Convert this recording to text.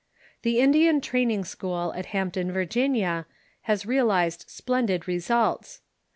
The Indian Training School at Hampton, Virginia, has realized splendid results.